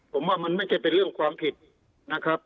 ผมว่ามันไม่ใช่เป็นเรื่องความผิดนะครับ